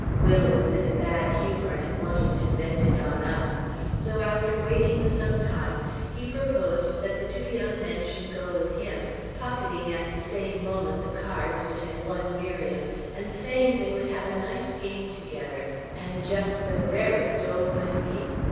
Will was in a bad humor, and wanted to vent it on us; so after waiting some time, he proposed that the two young men should go with him, pocketing at the same moment the cards which had won Miriam and saying they would have a nice game together, and just the rarest old whiskey!